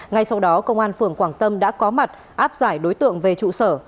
ngay sau đó công an phường quảng tâm đã có mặt áp giải đối tượng về trụ sở